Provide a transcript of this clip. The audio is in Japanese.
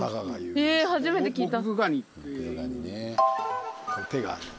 へぇ初めて聞いた。